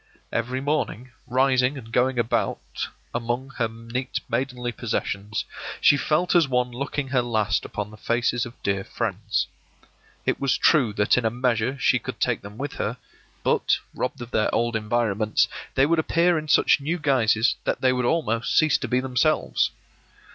Every morning, rising and going about among her neat maidenly possessions, she felt as one looking her last upon the faces of dear friends. It was true that in a measure she could take them with her, but, robbed of their old environments, they would appear in such new guises that they would almost cease to be themselves.